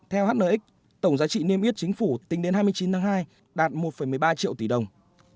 theo hnx tổng giá trị niêm yết chính phủ tính đến hai mươi chín tháng hai đạt một một mươi ba triệu tỷ đồng